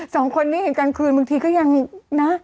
สองคนนี่กลับคืนเมื่อกี้ก็ยังน่ะ